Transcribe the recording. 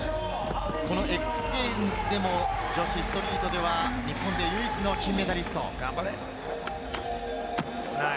このＸＧａｍｅｓでも女子ストリートでは日本で唯一の金メダリスト。